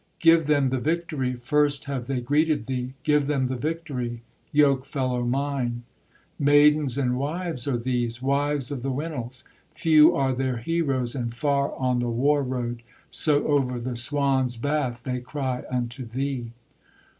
Give them the victory, First have they greeted thee; Give them the victory, Yokefellow mine! Maidens and wives are these, Wives of the Winils; Few are their heroes And far on the war road, So over the swans' bath They cry unto thee.'